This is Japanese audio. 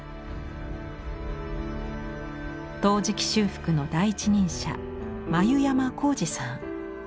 陶磁器修復の第一人者繭山浩司さん。